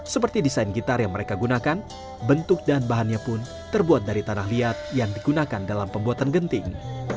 seperti desain gitar yang mereka gunakan bentuk dan bahannya pun terbuat dari tanah liat yang digunakan dalam pembuatan genting